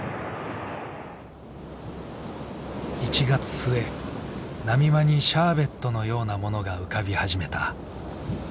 １月末波間にシャーベットのようなものが浮かび始めた。